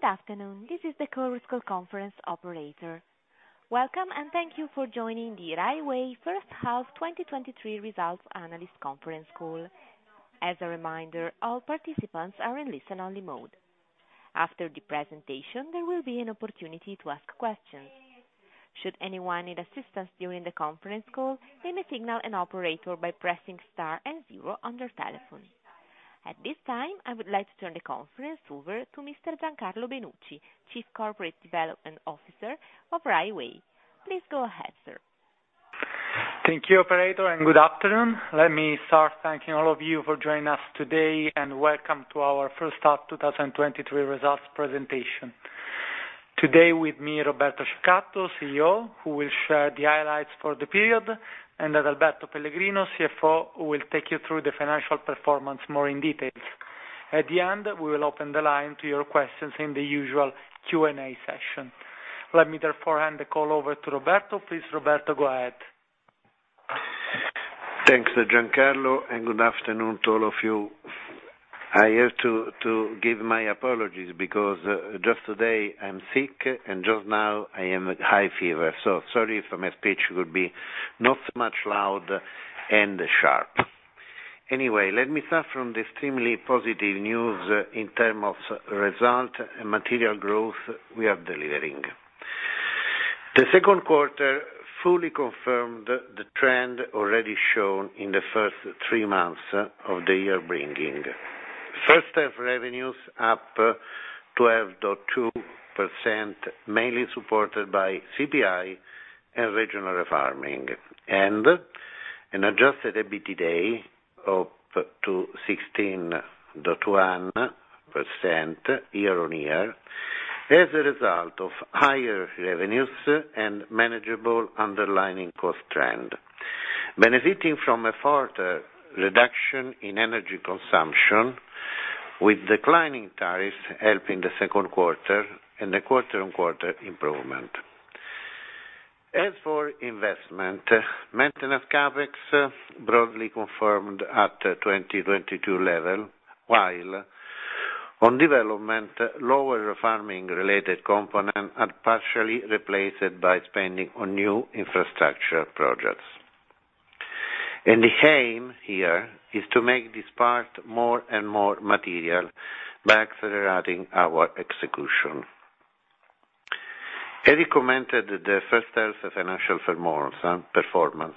Good afternoon, this is the Chorus Call conference operator. Welcome, thank you for joining the Rai Way first half 2023 results analyst conference call. As a reminder, all participants are in listen-only mode. After the presentation, there will be an opportunity to ask questions. Should anyone need assistance during the conference call, they may signal an operator by pressing star and zero on their telephone. At this time, I would like to turn the conference over to Mr. Giancarlo Benucci, Chief Corporate Development Officer of Rai Way. Please go ahead, sir. Thank you, operator. Good afternoon. Let me start thanking all of you for joining us today. Welcome to our first half 2023 results presentation. Today with me, Roberto Cecatto, CEO, who will share the highlights for the period, and Adalberto Pellegrino, CFO, who will take you through the financial performance more in details. At the end, we will open the line to your questions in the usual Q&A session. Let me therefore hand the call over to Roberto. Please, Roberto, go ahead. Thanks, Giancarlo, and good afternoon to all of you. I have to give my apologies because just today I'm sick, and just now I am at high fever. Sorry if my speech will be not much loud and sharp. Anyway, let me start from the extremely positive news in term of result and material growth we are delivering. The second quarter fully confirmed the trend already shown in the first three months of the year, bringing first half revenues up 12.2%, mainly supported by CPI and regional refarming. An adjusted EBITDA up to 16.1% year-on-year, as a result of higher revenues and manageable underlying cost trend. Benefiting from a further reduction in energy consumption, with declining tariffs helping the second quarter and the quarter-on-quarter improvement. As for investment, maintenance CapEx broadly confirmed at 2022 level, while on development, lower refarming related component are partially replaced by spending on new infrastructure projects. The aim here is to make this part more and more material by accelerating our execution. Having commented the first half financial performance,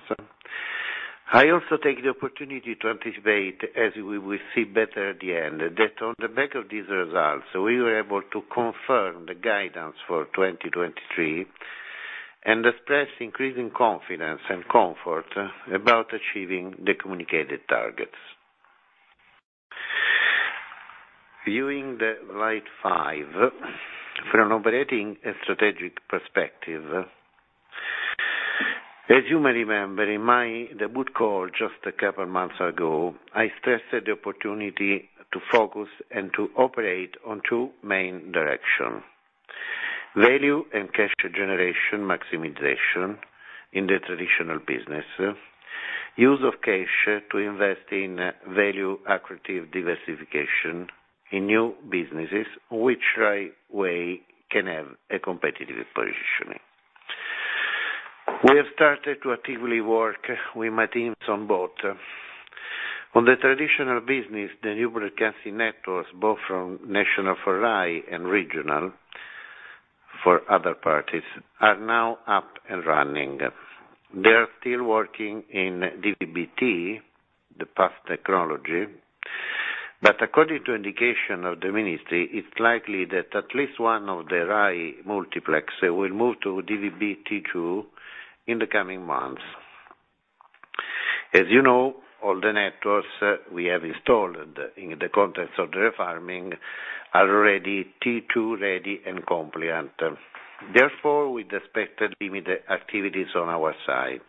I also take the opportunity to anticipate, as we will see better at the end, that on the back of these results, we were able to confirm the guidance for 2023, express increasing confidence and comfort about achieving the communicated targets. Viewing the slide five, from an operating and strategic perspective, as you may remember, in my debut call just a couple of months ago, I stressed the opportunity to focus and to operate on two main direction: value and cash generation maximization in the traditional business, use of cash to invest in value accretive diversification in new businesses which Rai Way can have a competitive positioning. We have started to actively work with my teams on both. On the traditional business, the new broadcasting networks, both from National RAI and Regional for other parties, are now up and running. They are still working in DVB-T, the past technology, but according to indication of the ministry, it's likely that at least one of the RAI multiplex will move to DVB-T2 in the coming months. As you know, all the networks we have installed in the context of the refarming are already T2 ready and compliant, therefore, we expected limited activities on our side.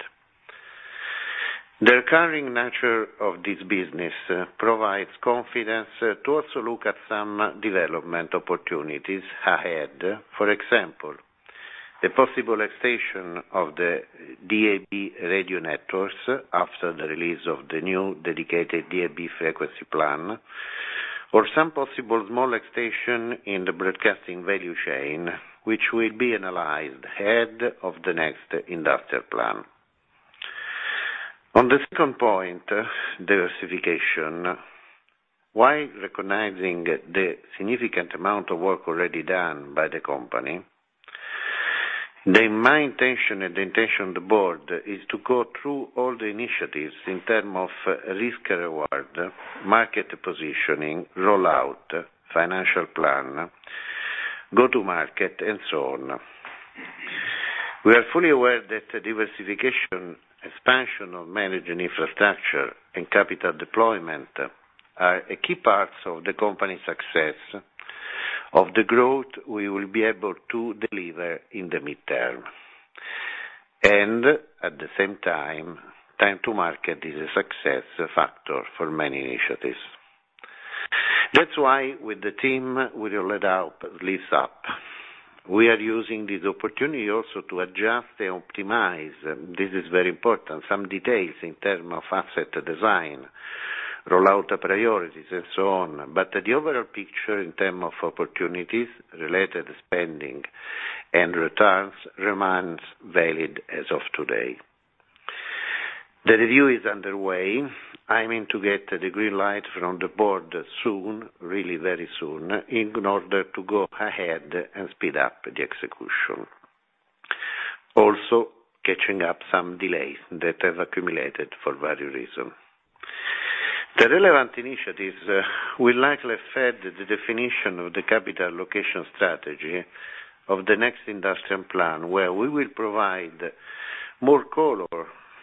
The recurring nature of this business provides confidence to also look at some development opportunities ahead. For example, the possible extension of the DAB radio networks after the release of the new dedicated DAB frequency plan, or some possible small extension in the broadcasting value chain, which will be analyzed ahead of the next industrial plan. On the second point, diversification. While recognizing the significant amount of work already done by the company, then my intention and the intention of the board is to go through all the initiatives in terms of risk and reward, market positioning, rollout, financial plan, go to market, and so on. We are fully aware that the diversification, expansion of managing infrastructure and capital deployment are a key parts of the company's success, of the growth we will be able to deliver in the midterm. At the same time to market is a success factor for many initiatives. That's why with the team, we will lifts up. We are using this opportunity also to adjust and optimize, this is very important, some details in term of asset design, rollout priorities, and so on. The overall picture in term of opportunities related spending and returns remains valid as of today. The review is underway. I mean to get the green light from the board soon, really very soon, in order to go ahead and speed up the execution. Catching up some delays that have accumulated for various reasons. The relevant initiatives will likely affect the definition of the capital location strategy of the next industrial plan, where we will provide more color,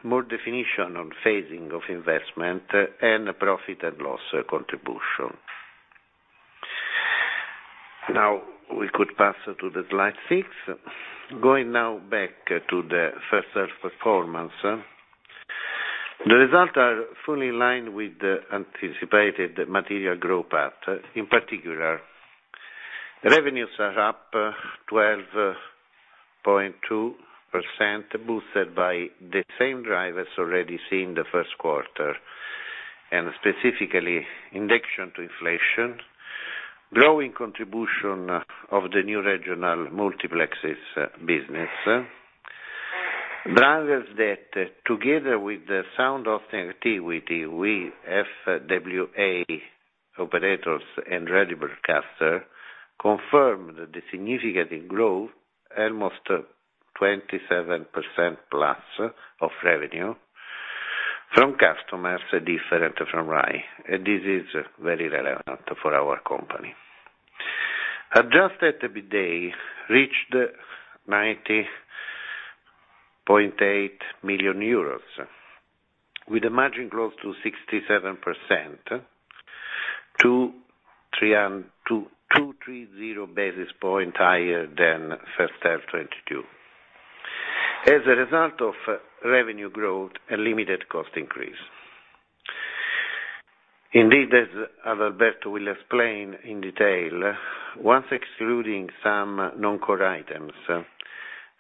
more definition on phasing of investment and profit and loss contribution. We could pass to the slide six. Going back to the 1st half performance, the results are fully in line with the anticipated material growth path. In particular, revenues are up 12.2%, boosted by the same drivers already seen in the first quarter, specifically, indexation to inflation, growing contribution of the new regional multiplexes business. Drivers that, together with the sound authenticity with FWA operators and ready broadcaster, confirmed the significant growth, almost 27%+ of revenue from customers different from RAI, this is very relevant for our company. Adjusted EBITDA reached EUR 90.8 million, with a margin close to 67%, 230 basis points higher than first half 2022, as a result of revenue growth and limited cost increase. As Alberto will explain in detail, once excluding some non-core items,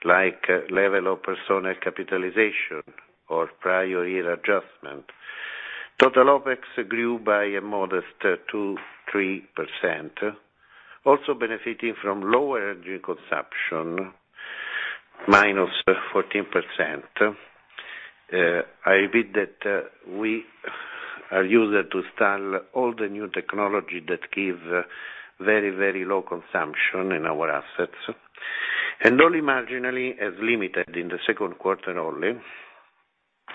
like level of personnel capitalization or prior year adjustment, total OpEx grew by a modest 2.3%, also benefiting from lower energy consumption, -14%. I read that we are used to install all the new technology that give very, very low consumption in our assets, and only marginally as limited in the second quarter only,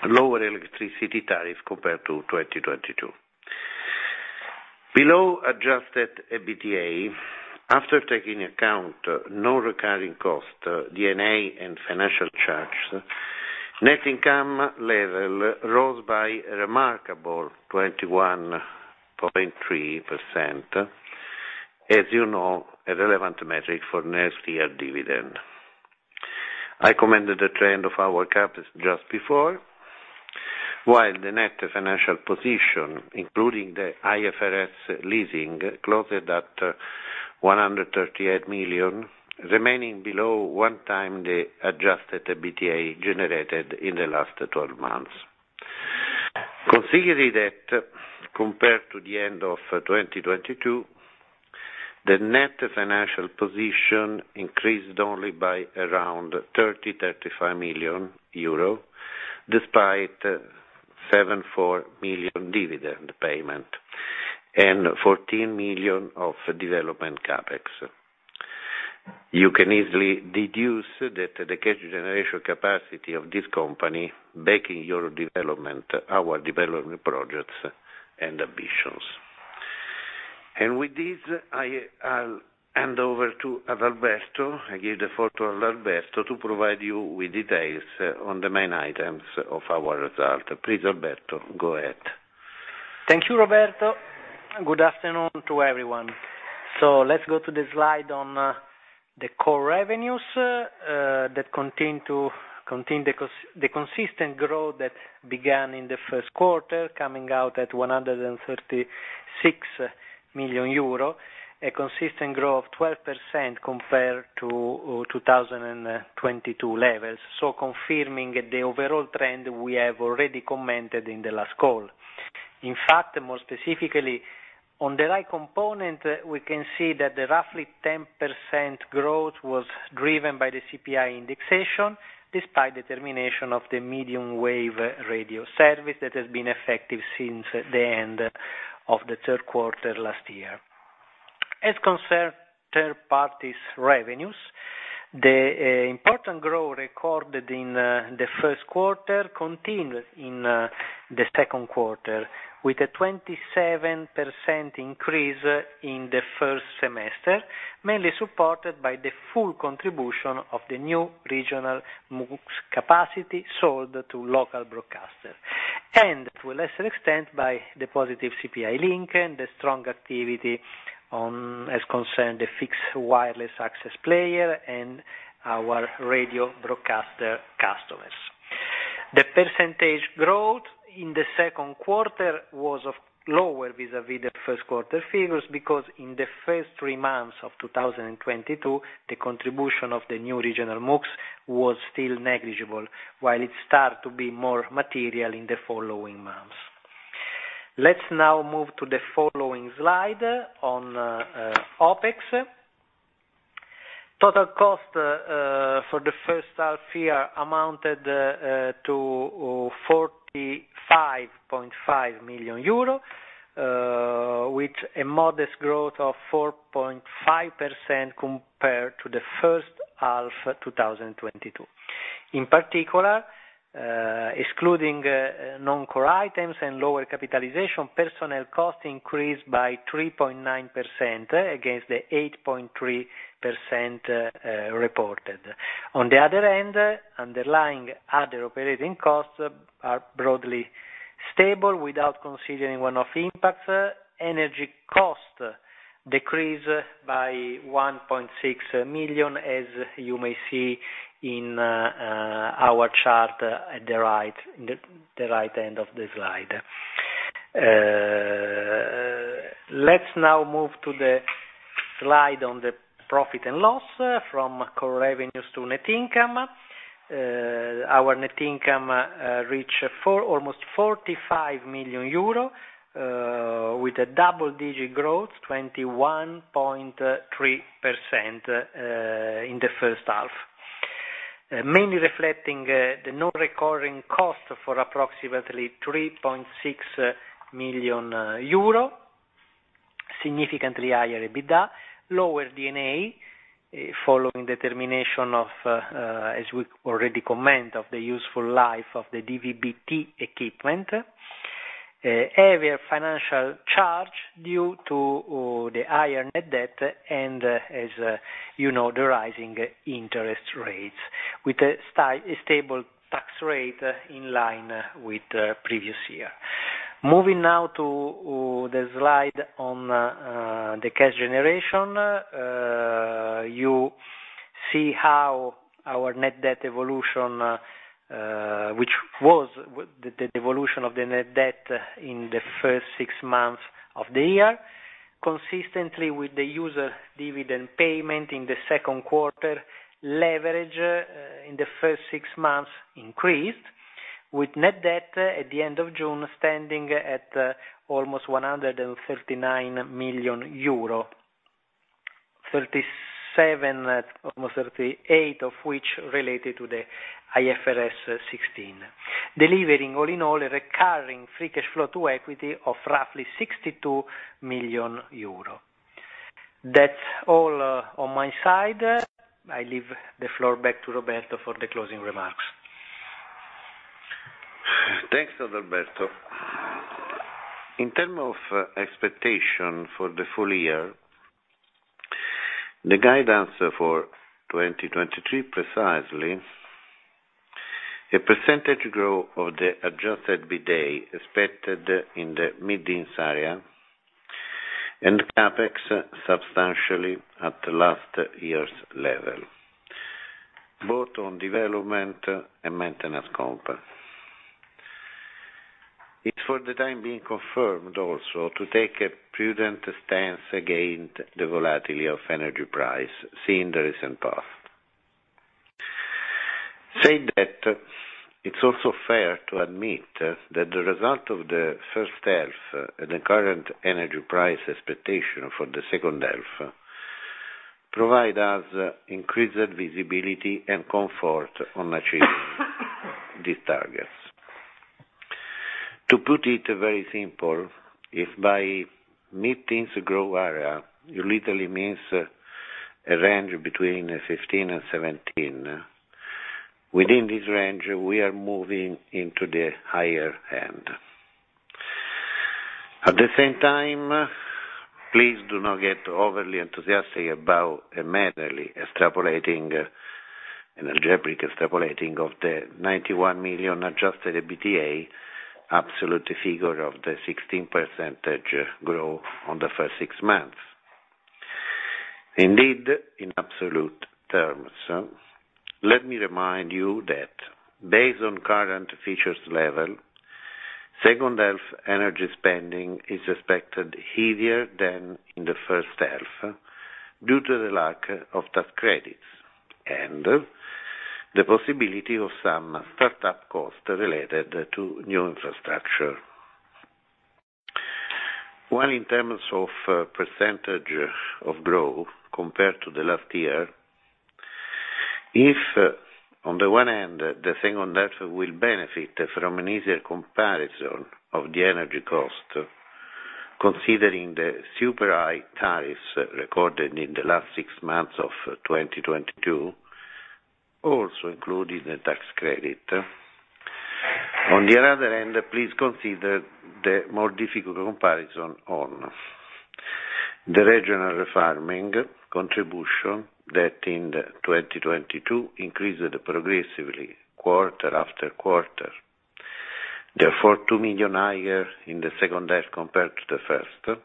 lower electricity tariff compared to 2022. Below adjusted EBITDA, after taking account no recurring cost, D&A and financial charges, net income level rose by a remarkable 21.3%, as you know, a relevant metric for next year dividend. I commented the trend of our cap just before, while the net financial position, including the IFRS leasing, closed at 138 million, remaining below one time the adjusted EBITDA generated in the last 12 months. Considering that compared to the end of 2022, the net financial position increased only by around 30-35 million euro, despite 74 million dividend payment and 14 million of development CapEx. You can easily deduce that the cash generation capacity of this company backing your development, our development projects and ambitions. With this, I'll hand over to Alberto. I give the floor to Adalberto to provide you with details on the main items of our result. Please, Adalberto, go ahead. Thank you, Roberto, and good afternoon to everyone. Let's go to the slide on the core revenues that continue the consistent growth that began in the first quarter, coming out at 136 million euro, a consistent growth of 12% compared to 2022 levels. Confirming the overall trend we have already commented in the last call. More specifically, on the right component, we can see that the roughly 10% growth was driven by the CPI indexation, despite the termination of the medium wave radio service that has been effective since the end of the third quarter last year. As concerned third parties revenues, the important growth recorded in the first quarter continued in the second quarter, with a 27% increase in the first semester, mainly supported by the full contribution of the new regional MUX capacity sold to local broadcasters, and to a lesser extent, by the positive CPI link and the strong activity on as concerned the fixed wireless access player and our radio broadcaster customers. The percentage growth in the second quarter was of lower vis-a-vis the first quarter figures, because in the first three months of 2022, the contribution of the new regional MUX was still negligible, while it start to be more material in the following months. Let's now move to the following slide on OpEx. Total cost for the first half year amounted to 45.5 million euro with a modest growth of 4.5% compared to the first half 2022. In particular, excluding non-core items and lower capitalization, personnel costs increased by 3.9% against the 8.3% reported. On the other hand, underlying other operating costs are broadly stable without considering one-off impacts. Energy cost decreased by 1.6 million, as you may see in our chart at the right end of the slide. Let's now move to the slide on the profit and loss from core revenues to net income. Our net income reached almost 45 million euro with a double-digit growth, 21.3%, in the first half. Mainly reflecting the non-recurring cost for approximately 3.6 million euro, significantly higher EBITDA, lower D&A, following the termination of, as we already comment, of the useful life of the DVB-T equipment. Heavier financial charge due to the higher net debt and as you know, the rising interest rates, with a stable tax rate in line with the previous year. Moving now to the slide on the cash generation. You see how our net debt evolution, which was the evolution of the net debt in the first six months of the year, consistently with the user dividend payment in the second quarter, leverage in the first six months increased, with net debt at the end of June, standing at almost 139 million EUR. 37, almost 38 of which related to the IFRS 16. Delivering all in all, a recurring free cash flow to equity of roughly 62 million euro. That's all on my side. I leave the floor back to Roberto for the closing remarks. Thanks, Adalberto. In term of expectation for the full-year, the guidance for 2023, precisely, a percentage growth of the adjusted EBITDA expected in the mid-teens area, and CapEx substantially at the last year's level, both on development and maintenance scope. It's for the time being confirmed also to take a prudent stance against the volatility of energy price, seeing the recent path. Saying that, it's also fair to admit that the result of the first half and the current energy price expectation for the second half, provide us increased visibility and comfort on achieving these targets. To put it very simple, if by mid-teens growth area, you literally means a range between 15 and 17. Within this range, we are moving into the higher end. At the same time, please do not get overly enthusiastic about immediately extrapolating, an algebraic extrapolating of the 91 million adjusted EBITDA, absolute figure of the 16% growth on the first 6 months. In absolute terms, let me remind you that based on current features level, second half energy spending is expected heavier than in the first half, due to the lack of tax credits and the possibility of some start-up costs related to new infrastructure. In terms of percentage of growth compared to the last year, if on the one hand, the second half will benefit from an easier comparison of the energy cost, considering the super high tariffs recorded in the last 6 months of 2022, also including the tax credit. On the other hand, please consider the more difficult comparison on the regional refarming contribution that in 2022 increased progressively, quarter-after-quarter. Therefore, 2 million higher in the second half compared to the first.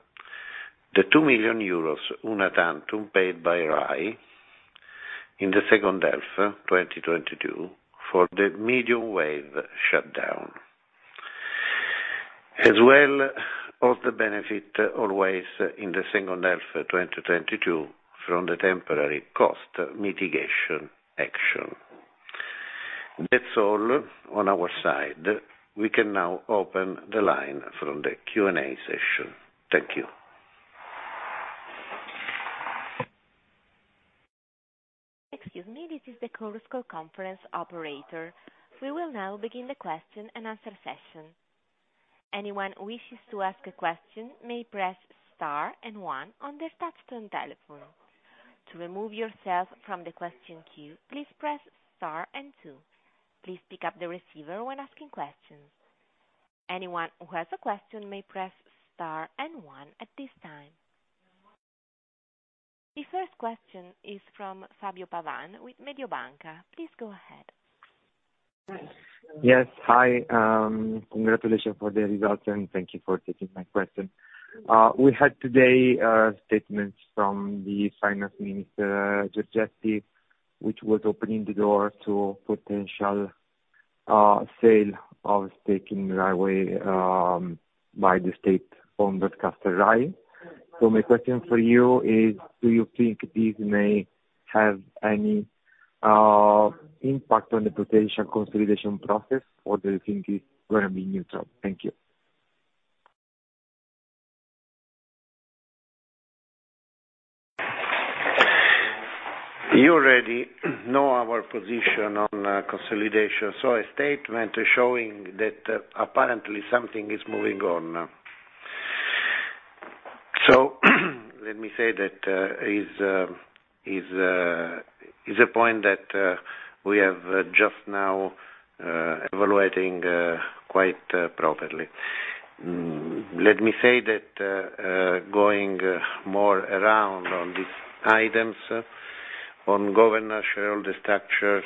The 2 million euros una tantum paid by RAI in the second half, 2022, for the medium wave shutdown, as well of the benefit, always in the second half 2022, from the temporary cost mitigation action. That's all on our side. We can now open the line from the Q&A session. Thank you. Excuse me, this is the Chorus Call Conference operator. We will now begin the question-and-answer session. Anyone who wishes to ask a question may press star 1 on their touchtone telephone. To remove yourself from the question queue, please press star 2. Please pick up the receiver when asking questions. Anyone who has a question may press star 1 at this time. The first question is from Fabio Pavan with Mediobanca. Please go ahead. Yes. Hi, congratulations for the results, and thank you for taking my question. We had today statements from the Finance Minister Giorgetti, which was opening the door to potential sale of stake in Rai Way by the state on broadcaster RAI. My question for you is: do you think this may have any impact on the potential consolidation process, or do you think it's gonna be neutral? Thank you. You already know our position on consolidation, a statement showing that apparently something is moving on. Let me say that is a point that we have just now evaluating quite properly. Let me say that going more around on these items, on governance, shareholder structure,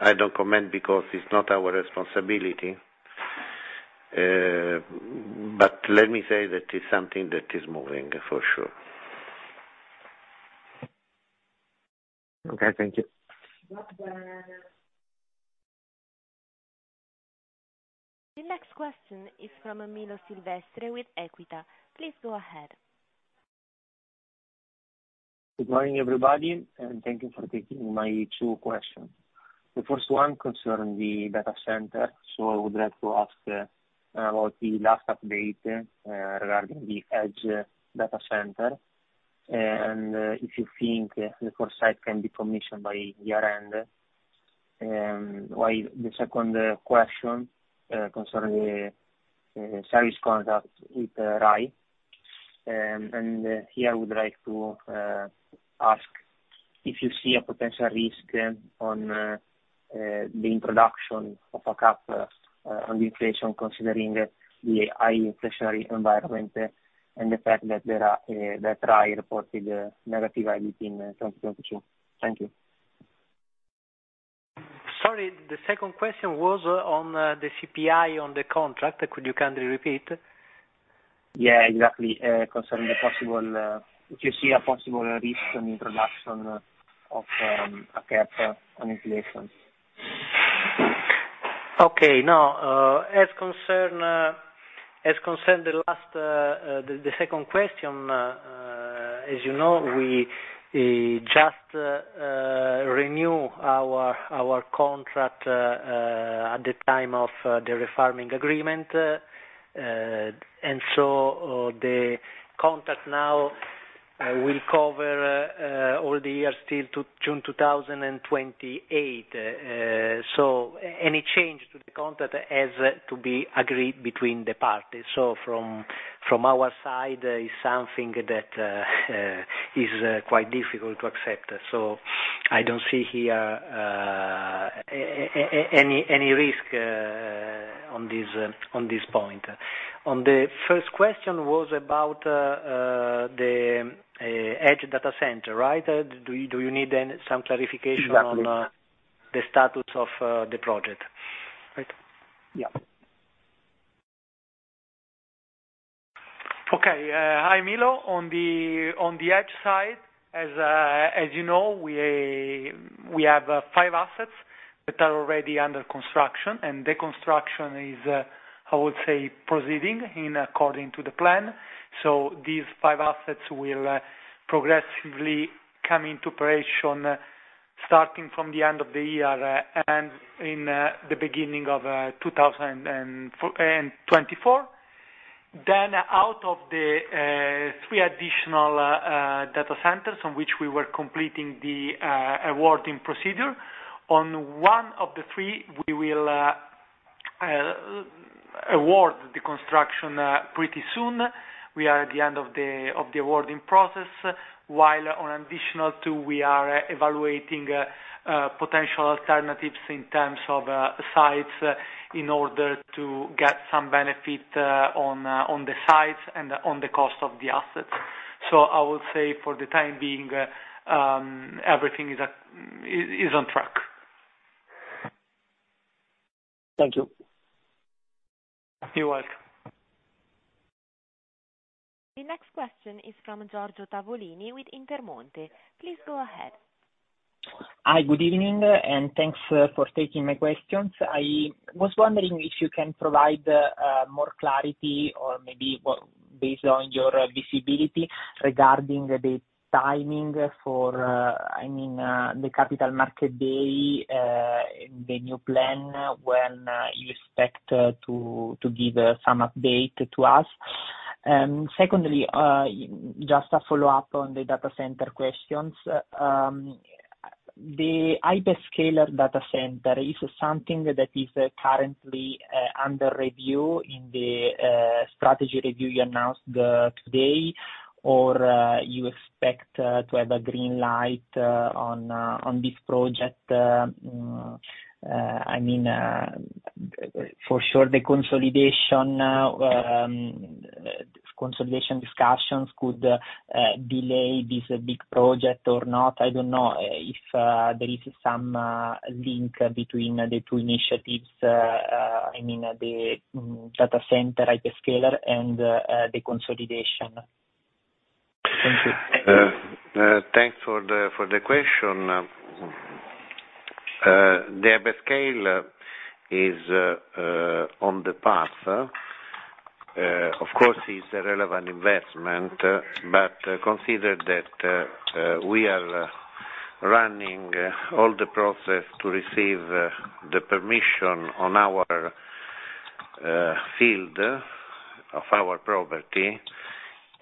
I don't comment because it's not our responsibility. Let me say that it's something that is moving, for sure. Okay, thank you. The next question is from Milo Silvestre with Equita. Please go ahead. Good morning, everybody, and thank you for taking my two questions. The first one concern the data center, so I would like to ask about the last update regarding the edge data center, and if you think the foresight can be commissioned by year-end. The second question concern the service contract with RAI. Here I would like to ask if you see a potential risk on the introduction of a cap on inflation, considering the high inflationary environment, and the fact that there are that RAI reported negative EBITDA in 2022. Thank you. Sorry, the second question was on the CPI on the contract. Could you kindly repeat? Yeah, exactly. Concerning the possible if you see a possible risk on introduction of a cap on inflation? Okay, now, as concern the last, the second question, as you know, we just renew our contract at the time of the refarming agreement. The contract now will cover all the years till to June 2028. Any change to the contract has to be agreed between the parties. From our side, is something that is quite difficult to accept. I don't see here any risk on this point. On the first question was about the edge data center, right? Do you need then some clarification on... Exactly. The status of the project, right? Yeah. Okay, hi, Milo. On the edge side, as you know, we have five assets that are already under construction, and the construction is, I would say, proceeding in according to the plan. These five assets will progressively come into operation starting from the end of the year and in the beginning of 2024. Out of the three additional data centers on which we were completing the awarding procedure, on one of the three, we will award the construction pretty soon. We are at the end of the awarding process, while on additional two, we are evaluating potential alternatives in terms of sites in order to get some benefit on the sites and on the cost of the assets. I would say for the time being, everything is.... is on track. Thank you. You're welcome. The next question is from Giorgio Tavolini with Intermonte. Please go ahead. Hi, good evening, and thanks for taking my questions. I was wondering if you can provide more clarity or maybe based on your visibility regarding the timing for, I mean, the capital market day, the new plan, when you expect to give some update to us? Secondly, just a follow-up on the data center questions. The hyperscaler data center, is it something that is currently under review in the strategy review you announced today? Or you expect to have a green light on this project? I mean, for sure the consolidation discussions could delay this big project or not. I don't know if there is some link between the two initiatives, I mean, the data center hyperscaler and the consolidation. Thank you. Uh, uh, Thanks for the question. The hyperscale is on the path. Of course, it's a relevant investment, but consider that we are running all the process to receive the permission on our field of our property.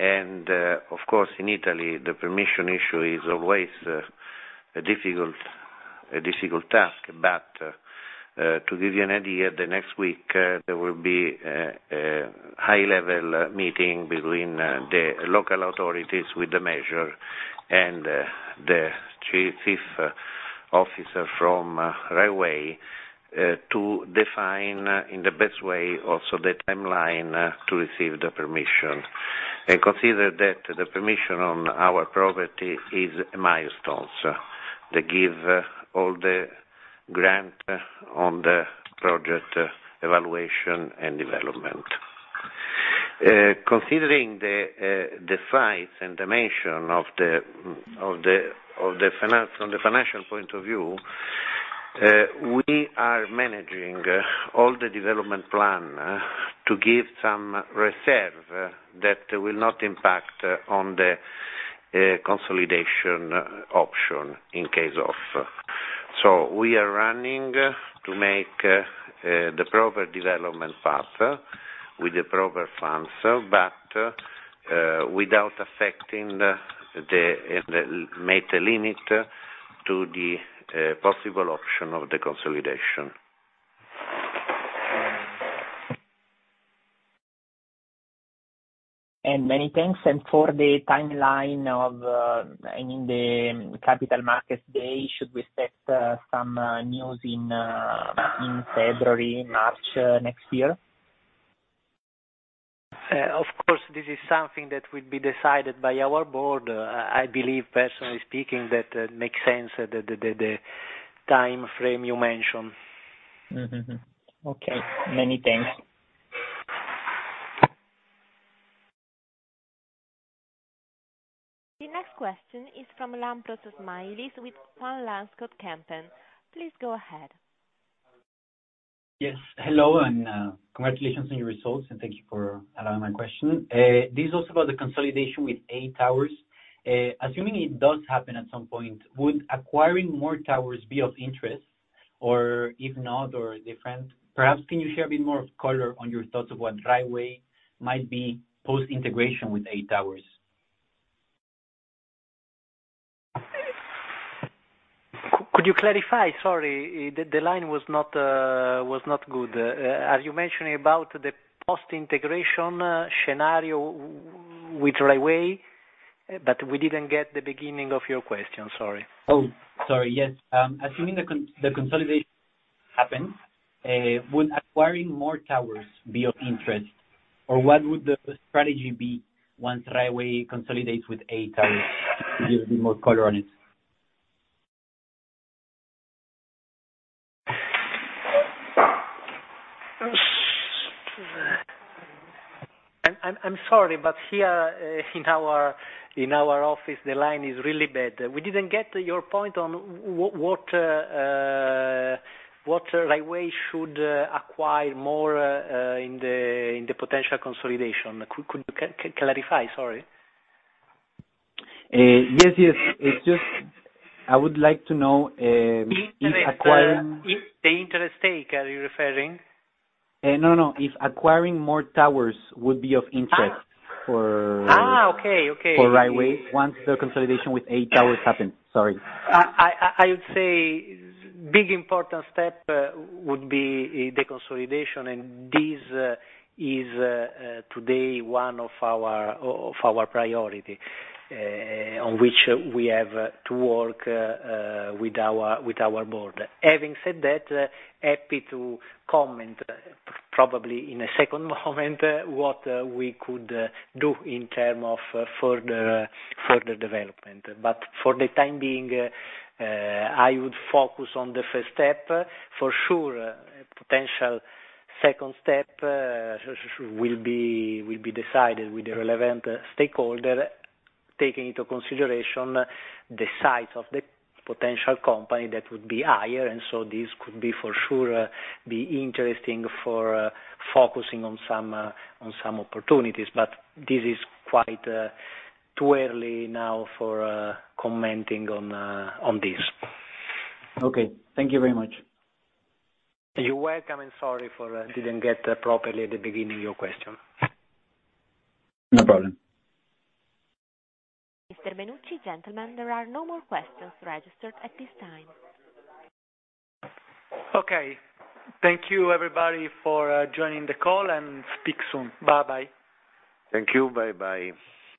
Of course, in Italy, the permission issue is always a difficult task. To give you an idea, the next week, there will be a high-level meeting between the local authorities with the measure and the chief officer from Rai Way to define in the best way, also the timeline to receive the permission. Consider that the permission on our property is a milestone, so they give all the grant on the project, evaluation and development. Considering the size and dimension of the from the financial point of view, we are managing all the development plan to give some reserve that will not impact on the consolidation option in case of. We are running to make the proper development path with the proper funds, but without affecting the make the limit to the possible option of the consolidation. Many thanks. For the timeline of, I mean, the capital market day, should we expect some news in February, March next year? Of course, this is something that would be decided by our board. I believe, personally speaking, that makes sense, the time frame you mentioned. Mm-hmm, mm-hmm. Okay. Many thanks. The next question is from Lampros Mylis with Panmure Gordon. Please go ahead. Yes, hello, and congratulations on your results, and thank you for allowing my question. This is also about the consolidation with EI Towers. Assuming it does happen at some point, would acquiring more towers be of interest, or if not, or different? Perhaps can you share a bit more of color on your thoughts of what Rai Way might be post-integration with EI Towers? Could you clarify? Sorry, the line was not good. Are you mentioning about the post-integration scenario with Rai Way? We didn't get the beginning of your question, sorry. Sorry. Yes, assuming the consolidation happens, would acquiring more towers be of interest? What would the strategy be once Rai Way consolidates with EI Towers? Can you give a bit more color on it? I'm sorry, here, in our office, the line is really bad. We didn't get your point on what Rai Way should acquire more in the potential consolidation. Could clarify, sorry? yes. I would like to know if The interest stake, are you referring? no. If acquiring more towers would be of interest. Ah! for. Okay. For Rai Way, once the consolidation with EI Towers happens. Sorry. I would say big important step would be the consolidation. This is today one of our priority on which we have to work with our board. Having said that, happy to comment probably in a second moment what we could do in term of further development. For the time being, I would focus on the first step. For sure, a potential second step will be decided with the relevant stakeholder, taking into consideration the size of the potential company that would be higher. This could be for sure be interesting for focusing on some opportunities. This is quite too early now for commenting on this. Okay, thank you very much. You're welcome, and sorry for, didn't get properly at the beginning of your question. No problem. Mr. Benucci, gentlemen, there are no more questions registered at this time. Okay. Thank you, everybody, for joining the call and speak soon. Bye-bye. Thank you. Bye-bye.